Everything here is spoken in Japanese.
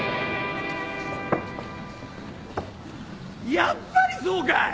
やっぱりそうかい！